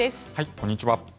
こんにちは。